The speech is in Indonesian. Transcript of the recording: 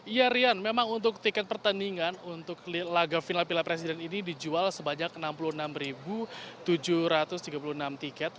iya rian memang untuk tiket pertandingan untuk laga final piala presiden ini dijual sebanyak enam puluh enam tujuh ratus tiga puluh enam tiket